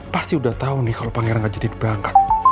pasti udah tau nih kalo pangeran gak jadi diberangkat